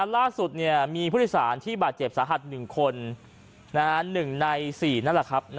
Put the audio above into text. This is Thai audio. ล่าสุดมีผู้โดยสารที่บาดเจ็บสาหัส๑คน๑ใน๔นั่นแหละครับ